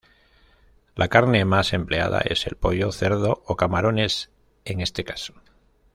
La carne más empleada es el pollo, cerdo, o camarones en este caso.